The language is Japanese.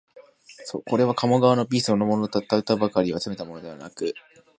これは鴨川の美そのものをうたった歌ばかりを集めたものではなく、